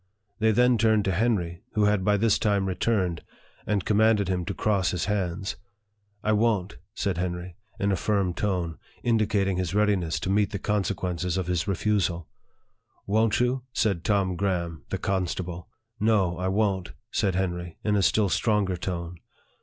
They then turned to Henry, who had by this time returned, and commanded him to cross his hands. " I won't !" said Henry, in a firm tone, indicating his readi ness to meet the consequences of his refusal. " Won't you ?" said Tom Graham, the constable. " No, I won't !" said Henry, in a still stronger tone.